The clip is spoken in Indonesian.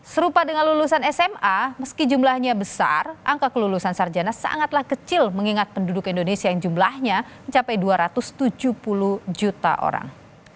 serupa dengan lulusan sma meski jumlahnya besar angka kelulusan sarjana sangatlah kecil mengingat penduduk indonesia yang jumlahnya mencapai dua ratus tujuh puluh juta orang